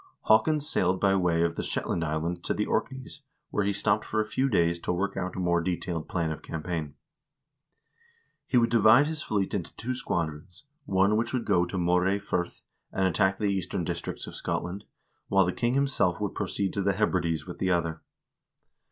Haakon sailed by way of the Shetland Islands to the Orkneys, where he stopped for a few days to work out a more detailed plan of campaign. He would divide his fleet into two squadrons, one of which should go to Moray Firth and attack the eastern districts of Scotland, while the king himself would proceed to the Hebrides with the other.